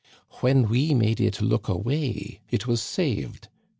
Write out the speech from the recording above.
When we made it look away it was saved.